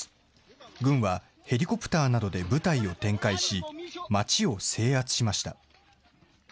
軍はヘリコプターなどで部隊を展開し、町を制圧しました。